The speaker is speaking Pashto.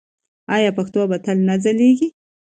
آیا پښتو به تل نه ځلیږي؟